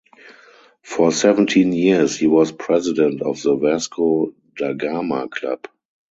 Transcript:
For seventeen years he was president of the Vasco da Gama Club.